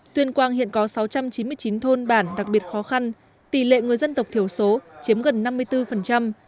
tuyên quang hiện có sáu trăm chín mươi chín thôn bản đặc biệt khó khăn tỷ lệ người dân tộc thiểu số chiếm gần năm mươi bốn